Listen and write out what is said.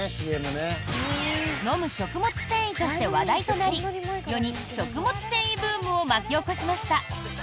飲む食物繊維として話題となり世に食物繊維ブームを巻き起こしました。